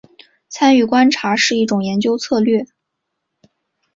参与观察是一种研究策略。